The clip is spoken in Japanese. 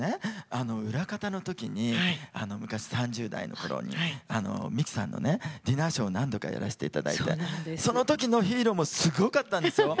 裏方のときに昔、３０代のころに未稀さんのディナーショーを何度かやらせていただいてそのときの「ヒーロー」もすごかったんですよ。